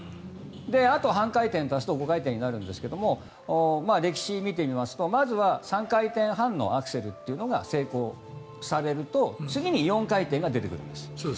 あと半回転足すと５回転になるんですけども歴史を見てみますとまずは３回転半のアクセルが成功されると次に４回転が出てくるんです。